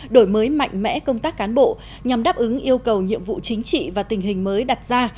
đổi mới mạnh mẽ công tác cán bộ nhằm đáp ứng yêu cầu nhiệm vụ chính trị và tình hình mới đặt ra